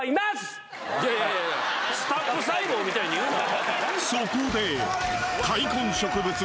ＳＴＡＰ細胞みたいに言うな。